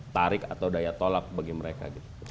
tarik atau daya tolak bagi mereka